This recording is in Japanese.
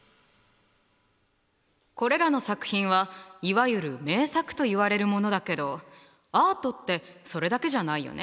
これらの作品はいわゆる「名作」といわれるものだけどアートってそれだけじゃないよね。